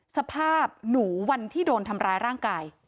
สภาพหนูวันที่โดนทำร้ายร่างกาย